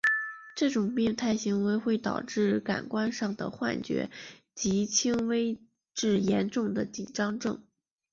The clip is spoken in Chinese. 这种病态行为会导致感官上的幻觉及轻微至严重的紧张症。